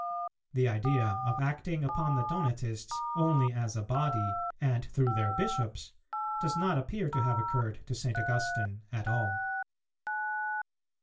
The idea of acting upon the Donatists only as a body and through their bishops, does not appear to have occurred to St. Augustine at all.